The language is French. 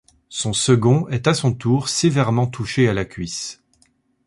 Son second est à son tour sévèrement touché à la cuisse.